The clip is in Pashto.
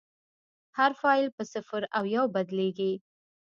هر فایل په صفر او یو بدلېږي.